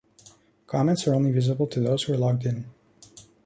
Comments are only visible to those who are logged in.